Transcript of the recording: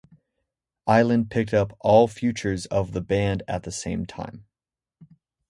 Island picked up all futures of the band at the same time.